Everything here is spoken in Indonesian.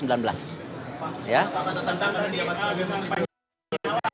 pak apa tentang tanggal ini